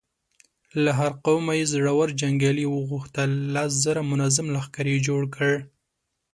له هر قومه يې زړور جنګيالي وغوښتل، لس زره منظم لښکر يې جوړ کړ.